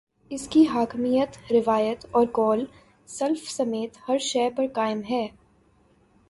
اس کی حاکمیت، روایت اور قول سلف سمیت ہر شے پر قائم ہے۔